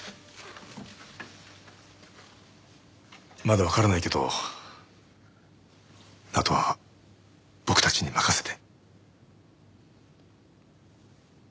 まだわからないけどあとは僕たちに任せて。